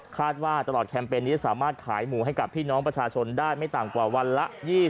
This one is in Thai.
ว่าตลอดแคมเปญนี้จะสามารถขายหมูให้กับพี่น้องประชาชนได้ไม่ต่ำกว่าวันละ๒๐